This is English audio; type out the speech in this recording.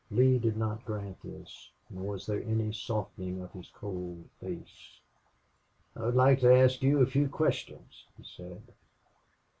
Lee did not grant this, nor was there any softening of his cold face. "I would like to ask you a few questions," he said.